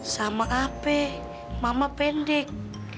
sama apa mama pendek